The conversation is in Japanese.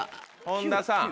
本田さん。